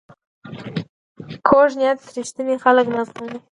کوږ نیت رښتیني خلک نه زغمي